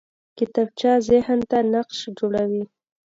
کتابچه ذهن ته نقش جوړوي